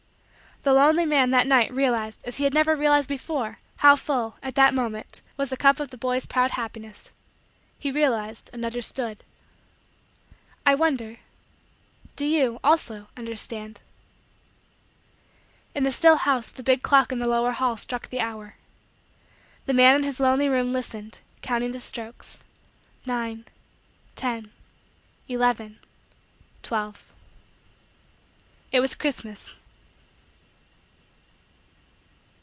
The lonely man, that night, realized, as he had never realized before, how full, at that moment, was the cup of the boy's proud happiness. He realized and understood. I wonder do you, also, understand? In the still house, the big clock in the lower hall struck the hour. The man in his lonely room listened, counting the strokes nine ten eleven twelve. It was Christmas.